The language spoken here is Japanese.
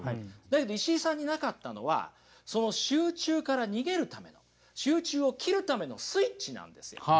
だけど石井さんになかったのはその集中から逃げるための集中を切るためのスイッチなんですよ。